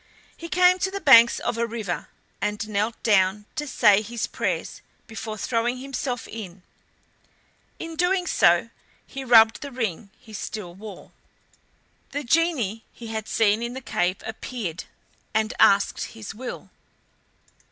He came to the banks of a river, and knelt down to say his prayers before throwing himself in. In doing so he rubbed the ring he still wore. The genie he had seen in the cave appeared, and asked his will.